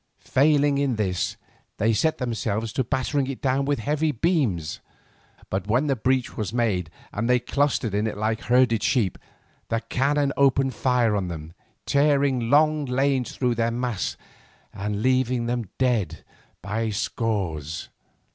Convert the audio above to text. Failing in this, they set themselves to battering it down with heavy beams, but when the breach was made and they clustered in it like herded sheep, the cannon opened fire on them, tearing long lanes through their mass and leaving them dead by scores.